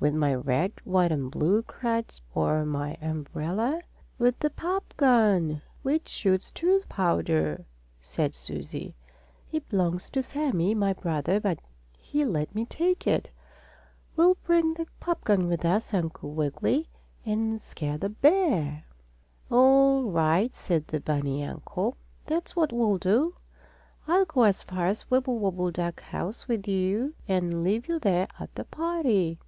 "With my red, white and blue crutch or my umbrella?" "With this popgun, which shoots toothpowder," said Susie. "It belongs to Sammie, my brother, but he let me take it. We'll bring the popgun with us, Uncle Wiggily, and scare the bear." "All right," said the bunny uncle. "That's what we'll do. I'll go as far as the Wibblewobble duck house with you and leave you there at the party."